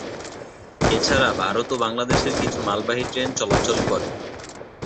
এছাড়া ভারত ও বাংলাদেশের কিছু মালবাহী ট্রেন চলাচল করে।